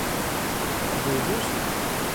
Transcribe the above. mgebu su!